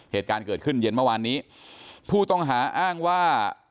เหตุการณ์เกิดขึ้นเย็นเมื่อวานนี้ผู้ต้องหาอ้างว่า